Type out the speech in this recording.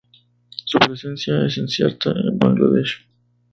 Su presencia es incierta en Bangladesh.